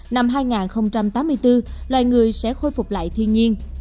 năm hai nghìn tám mươi bốn loài người sẽ khôi phục lại thiên nhiên